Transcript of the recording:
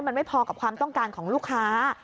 มันไม่พอกับความต้องการของลูกค้า